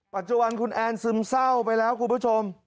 ปัจจุบันคุณแอนซึมเศร้าไปแล้วคุณผู้ชม